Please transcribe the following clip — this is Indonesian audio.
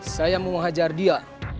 saya mau hajar dia